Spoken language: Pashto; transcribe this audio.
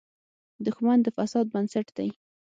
دښمن د فساد بنسټ دی